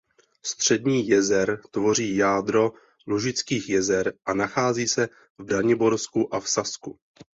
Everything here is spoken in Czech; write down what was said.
Střední jezer tvoří jádro Lužických jezer a nachází se v Braniborsku a v Sasku.